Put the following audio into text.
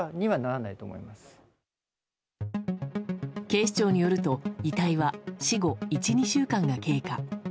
警視庁によると遺体は死後１２週間が経過。